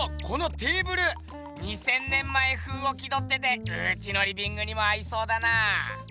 このテーブル２，０００年前風を気どっててうちのリビングにも合いそうだな！